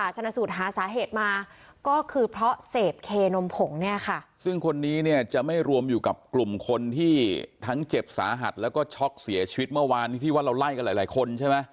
ชนะสูตรหาสาเหตุมาก็คือเพราะเสพเคนมผงเนี่ยค่ะซึ่งคนนี้เนี่ยจะไม่รวมอยู่กับกลุ่มคนที่ทั้งเจ็บสาหัสแล้วก็ช็อกเสียชีวิตเมื่อวานนี้ที่ว่าเราไล่กันหลายหลายคนใช่ไหม